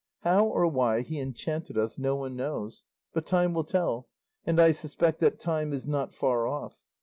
How or why he enchanted us, no one knows, but time will tell, and I suspect that time is not far off.